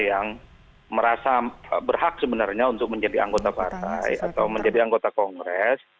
yang merasa berhak sebenarnya untuk menjadi anggota partai atau menjadi anggota kongres